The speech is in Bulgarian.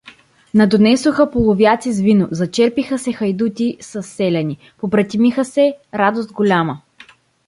Надонесоха половяци с вино, зачерпиха се хайдути със селяни, побратимиха се, радост голяма.